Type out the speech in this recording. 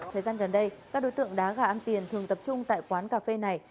thời gian gần đây các đối tượng đá gà ăn tiền thường tập trung tại quán cà phê này